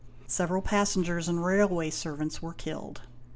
Several passengers and railway servants were killed.